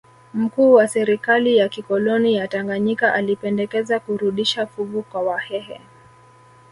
Mkuu wa serikali ya kikoloni ya Tanganyika alipendekeza kurudisha fuvu kwa Wahehe